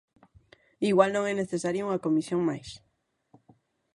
Igual non é necesaria unha comisión máis.